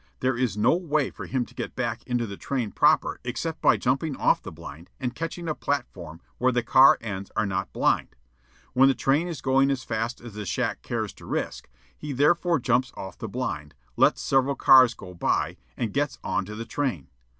There is no way for him to get back into the train proper except by jumping off the blind and catching a platform where the car ends are not "blind." When the train is going as fast as the shack cares to risk, he therefore jumps off the blind, lets several cars go by, and gets on to the train.